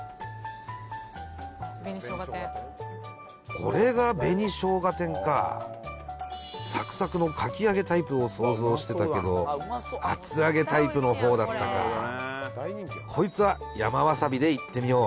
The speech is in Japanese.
これが紅しょうが天かサクサクのかき揚げタイプを想像してたけど厚揚げタイプの方だったかこいつは山わさびでいってみよう